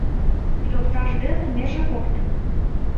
Йолташ дене меже коктын